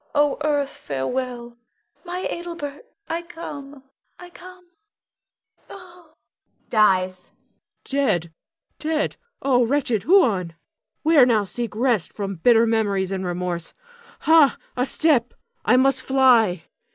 O earth, farewell! My Adelbert, I come, I come! [Dies.] Huon. Dead! dead! Oh, wretched Huon! Where now seek rest from bitter memories and remorse. Ha, a step! I must fly.